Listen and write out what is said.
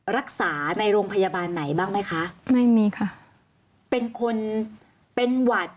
รักษาในโรงพยาบาลไหนบ้างไหมคะไม่มีค่ะเป็นคนเป็นหวัด